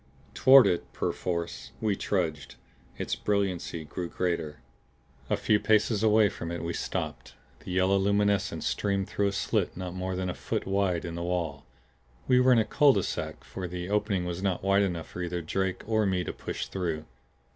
Toward it, perforce, we trudged. Its brilliancy grew greater. A few paces away from it we stopped. The yellow luminescence streamed through a slit not more than a foot wide in the wall. We were in a cul de sac for the opening was not wide enough for either Drake or me to push through.